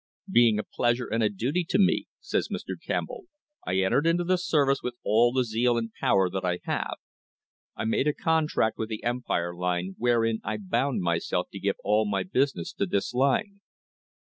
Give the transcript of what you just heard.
"Being a pleasure and a duty to me," says Mr. Campbell, "I entered into the service with all the zeal and power that I have. I made a contract with the Empire Line wherein I bound myself to give all my business to this line."